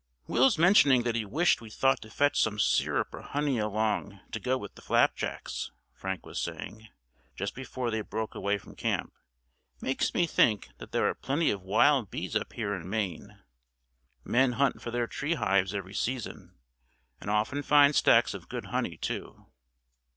"Will's mentioning that he wished we'd thought to fetch some syrup or honey along to go with the flapjacks," Frank was saying, just before they broke away from camp, "makes me think that there are plenty of wild bees up here in Maine. Men hunt for their tree hives every season, and often find stacks of good honey, too."